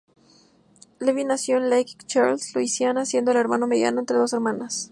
Levi nació en Lake Charles, Luisiana, siendo el hermano mediano entre dos hermanas.